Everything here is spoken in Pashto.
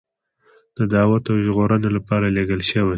د دعوت او ژغورنې لپاره لېږل شوی.